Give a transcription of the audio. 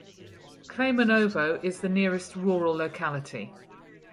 Kleymenovo is the nearest rural locality.